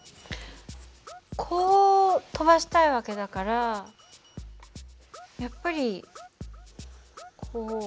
こう飛ばしたい訳だからやっぱりこう。